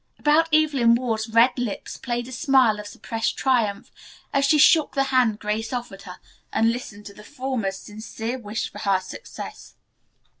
About Evelyn Ward's red lips played a smile of suppressed triumph as she shook the hand Grace offered her and listened to the former's sincere wish for her success.